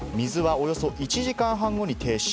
水はおよそ１時間半後に停止。